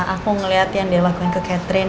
aku melihat yang dia lakukan ke catherine